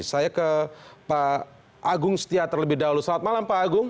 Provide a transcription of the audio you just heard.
saya ke pak agung setia terlebih dahulu selamat malam pak agung